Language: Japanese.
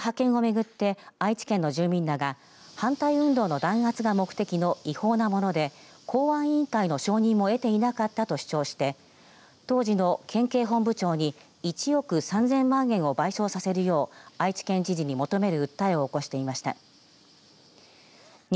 この派遣をめぐって愛知県の住民らが反対運動の弾圧が目的の違法なもので公安委員会の承認も得ていなかったと主張して当時の県警本部長に１億３０００万円を賠償させるよう愛知県知事に求める訴えを起こしていました。